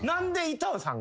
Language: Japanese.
板尾さん！